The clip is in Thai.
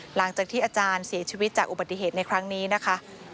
หลังจากที่อาจารย์เสียชีวิตจากอุบัติเหตุในครั้งนี้นะคะ